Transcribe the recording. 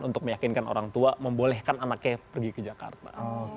untuk meyakinkan orang tua membolehkan anaknya pergi ke jakarta